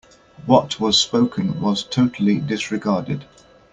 What was spoken was totally disregarded.